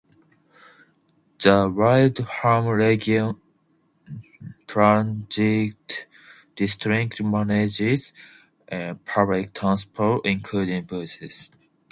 The Windham Region Transit District manages public transport, including buses.